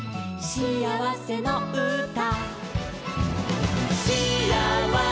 「しあわせのうた」